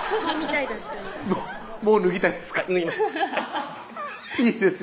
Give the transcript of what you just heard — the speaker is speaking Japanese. もう脱ぎたいですか？